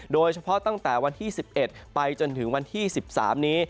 โดยเฉพาะตั้งแต่วันที่๑๑ไปจนถึงวันที่๑๓นี้